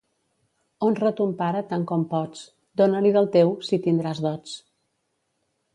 Honra ton pare tant com pots; dona-li del teu, si tindràs dots.